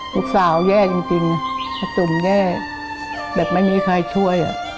ลูกสาวแย่จริงประจุ่มแย่แบบไม่มีใครช่วย